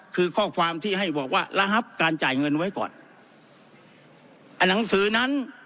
คือข้อความที่ให้บอกว่าระงับการจ่ายเงินไว้ก่อนไอ้หนังสือนั้น